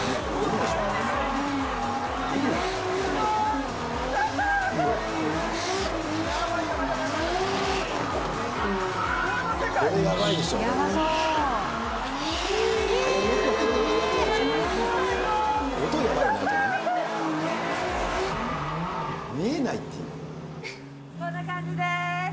きゃー！こんな感じです。